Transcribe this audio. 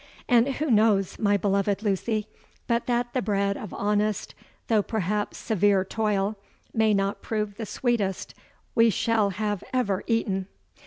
And who knows, my beloved Lucy, but that the bread of honest though perhaps severe toil, may not prove the sweetest we shall have ever eaten?'